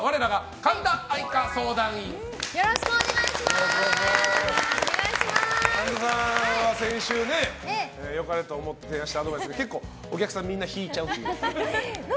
神田さんは先週良かれと思って提案したアドバイス結構お客さんみんな引いちゃうという。